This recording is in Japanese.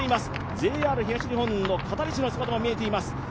ＪＲ東日本の片西の姿も見えています。